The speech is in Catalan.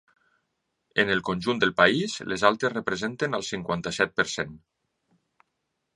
En el conjunt del país, les altes representen el cinquanta-set per cent.